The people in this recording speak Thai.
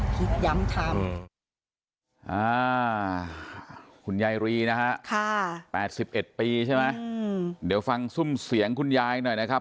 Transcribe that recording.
ดีมากนะครับเดี่ยวฟังสุ่มเสียงคุณยายอีกหน่อยนะครับ